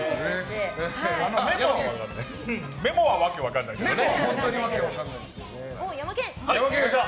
メモは訳分かんないけどね。